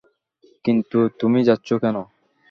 কিন্তু তুমি যাচ্ছো কেন?